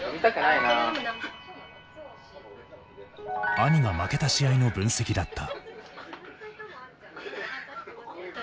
兄が負けた試合の分析だった。